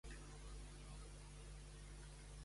En quins concursos ha participat com a executora d'Espanya?